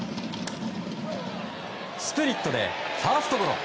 スプリットでファーストゴロ。